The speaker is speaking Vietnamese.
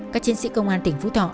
các chiến sĩ công an tỉnh phú thọ